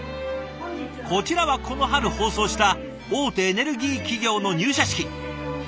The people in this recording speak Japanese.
こちらはこの春放送した大手エネルギー企業の入社式。